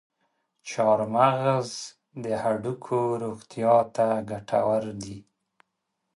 چارمغز د هډوکو روغتیا ته ګټور دی.